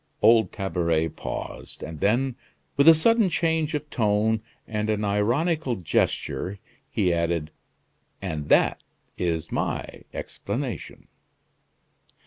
Old Tabaret paused, and then, with a sudden change of tone and an ironical gesture, he added: "And that is my explanation."